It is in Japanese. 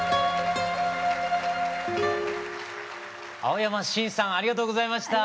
青山新さんありがとうございました。